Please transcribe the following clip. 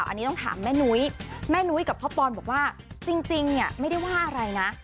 อันนี้ต้องถามแม่นุ้ยแม่นุ้ยกับพ่อปอนบอกว่าจริงเนี่ยไม่ได้ว่าอะไรนะ